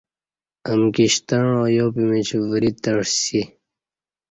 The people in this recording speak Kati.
امکی شتعاں یا پِیمیچ وری تعسی۔